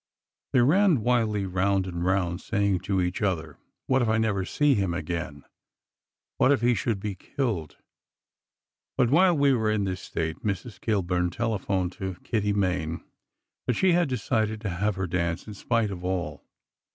They ran wildly round and round, saying to each other, "What if I never see him again? What if he should be killed? " But while we were in this state, Mrs. Kilburn telephoned to Kitty Main that she had decided to have her dance in spite of all.